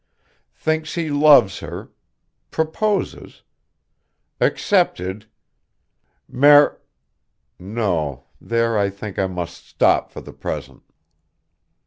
thinks he loves her proposes accepted mar no, there I think I must stop for the present."